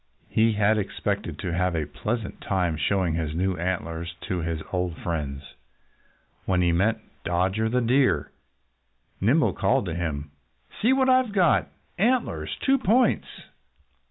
He had expected to have a pleasant time showing his new antlers to his old friends. When he met Dodger the Deer, Nimble called to him: "See what I've got! Antlers! Two points!"